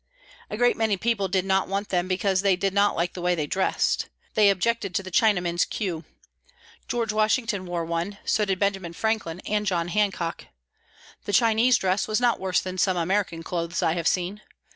A great many people did not want them because they did not like the way they dressed. They objected to the Chinaman's queue. George Washington wore one, so did Benjamin Franklin and John Hancock. The Chinese dress was not worse than some American clothes I have seen.